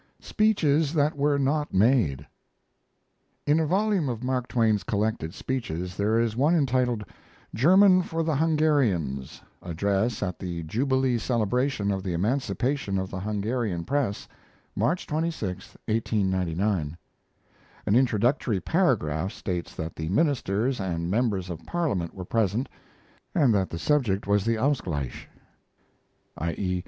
SPEECHES THAT WERE NOT MADE In a volume of Mark Twain's collected speeches there is one entitled "German for the Hungarians Address at the jubilee Celebration of the Emancipation of the Hungarian Press, March 26, 1899." An introductory paragraph states that the ministers and members of Parliament were present, and that the subject was the "Ausgleich" i.e.